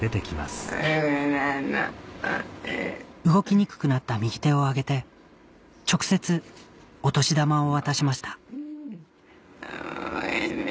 動きにくくなった右手を上げて直接お年玉を渡しましたごめんね。